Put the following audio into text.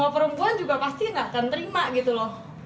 perempuan juga pasti nggak akan terima gitu loh